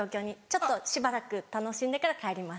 ちょっとしばらく楽しんでから帰ります。